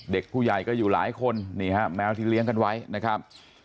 เด็กผู้ใหญ่ก็อยู่หลายคนนี่ฮะแมวที่เลี้ยงกันไว้นะครับ